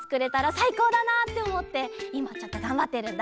さいこうだなっておもっていまちょっとがんばってるんだ。